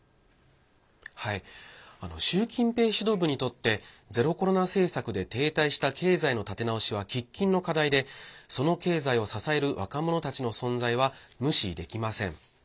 習近平指導部にとってゼロコロナ政策で停滞した経済の立て直しは、喫緊の課題でその経済を支える若者たちの存在は無視できません。